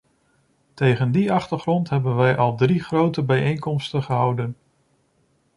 Tegen die achtergrond hebben we al drie grote bijeenkomsten gehouden.